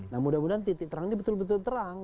nah mudah mudahan titik terang ini betul betul terang